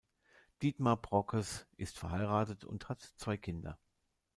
Dietmar Brockes ist verheiratet und hat zwei Kinder.